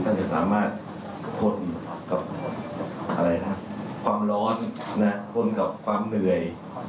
ท่านจะสามารถทนกับความร้อนทนกับความเหนื่อย